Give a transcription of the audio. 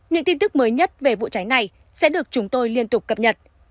những tin tức mới nhất về vụ cháy này sẽ được chúng tôi liên tục cập nhật